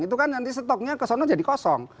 itu kan nanti stoknya kesana jadi kosong